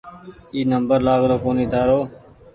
اي نمبر لآگرو ڪونيٚ تآرو